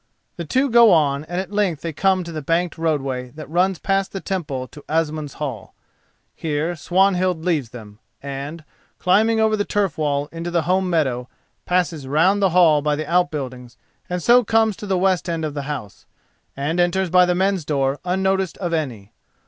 The two go on and at length they come to the banked roadway that runs past the Temple to Asmund's hall. Here Swanhild leaves them, and, climbing over the turf wall into the home meadow, passes round the hall by the outbuildings and so comes to the west end of the house, and enters by the men's door unnoticed of any.